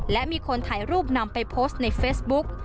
และมีคนถ่ายรูปนำไปโพสต์ในเฟซบุ๊ก